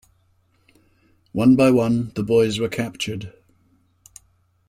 One by one the boys were captured.